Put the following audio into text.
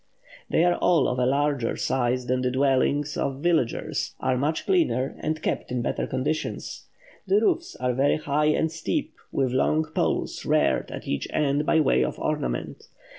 They are all of a larger size than the dwellings of the villagers; are much cleaner, and kept in better condition. The roofs are very high and steep, with long poles reared at each end by way of ornament.